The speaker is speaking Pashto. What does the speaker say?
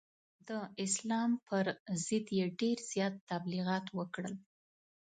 د اسلام پر ضد یې ډېر زیات تبلغیات وکړل.